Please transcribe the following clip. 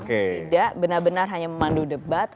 tidak benar benar hanya memandu debat